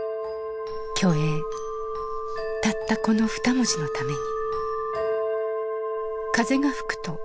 「『虚栄』たったこの二文字のために」